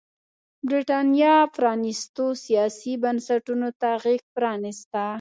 برېټانیا پرانيستو سیاسي بنسټونو ته غېږ پرانېسته.